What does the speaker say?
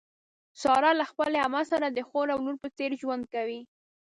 ساره له خپلې عمه سره د خور او لور په څېر ژوند کوي.